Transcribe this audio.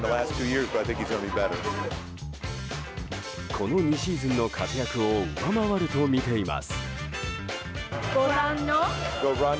この２シーズンの活躍を上回るとみています。